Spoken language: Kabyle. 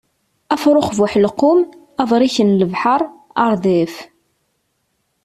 Afṛux bu uḥelqum, abṛik n lebḥeṛ, aṛdaf.